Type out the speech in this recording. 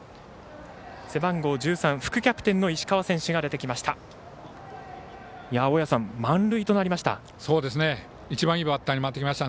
背番号１３、副キャプテンの石川選手が出てきました。